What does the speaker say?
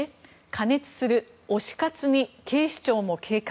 過熱する推し活に警視庁も警戒。